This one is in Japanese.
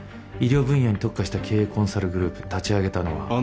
医療分野に特化した経営コンサルグループ立ち上げたのは。